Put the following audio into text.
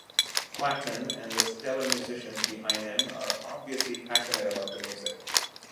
Clapton and the stellar musicians behind him are obviously passionate about the music.